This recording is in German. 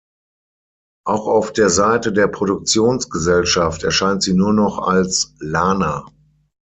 Auch auf der Seite der Produktionsgesellschaft erscheint sie nur noch als Lana.